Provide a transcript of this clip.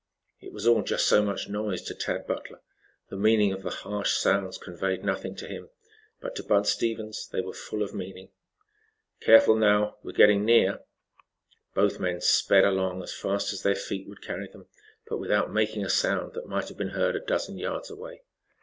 It was all just so much noise to Tad Butler. The meaning of the harsh sounds conveyed nothing to him, but to Bud Stevens they were full of meaning. "Careful, now. We're getting near." Both men sped along as fast as their feet would carry them, but without making a sound that might have been heard a dozen yards away.